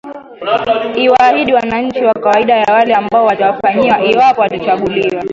iwaahidi wananchi wa kawaida yale ambayo watawafanyia iwapo watachanguliwa